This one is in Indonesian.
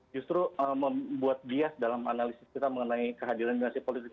justru membuat bias dalam analisis kita mengenai kehadiran dinasti politik